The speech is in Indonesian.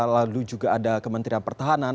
lalu juga ada kementerian pertahanan